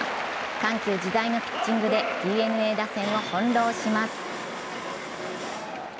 緩急自在のピッチングでＤｅＮＡ打線を翻弄します。